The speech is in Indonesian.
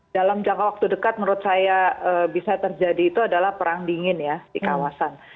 dalam jangka waktu dekat menurut saya bisa terjadi itu adalah perang dingin ya di kawasan